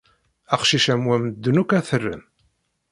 Aqcic am wa medden akk ad t-ren.